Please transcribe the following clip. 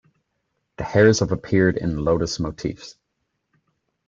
The hares have appeared in Lotus motifs.